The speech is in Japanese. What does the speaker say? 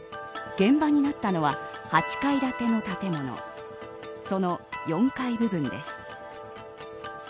現場になったのは８階建ての建物その４階部分です。